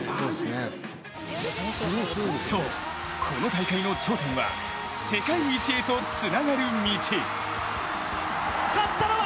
そう、この大会の頂点は世界一へとつながる道。